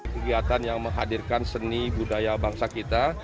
kegiatan yang menghadirkan seni budaya bangsa kita